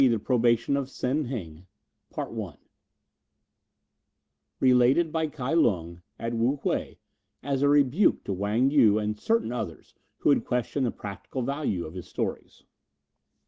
'" III. THE PROBATION OF SEN HENG Related by Kai Lung, at Wu whei, as a rebuke to Wang Yu and certain others who had questioned the practical value of his stories.